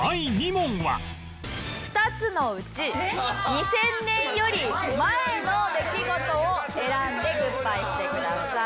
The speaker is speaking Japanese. ２つのうち２０００年より前の出来事を選んでグッバイしてください。